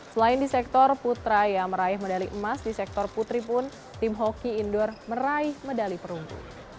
selain di sektor putra yang meraih medali emas di sektor putri pun tim hoki indoor meraih medali perunggu